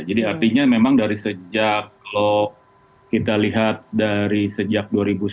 jadi artinya memang dari sejak kalau kita lihat dari sejak dua ribu sepuluh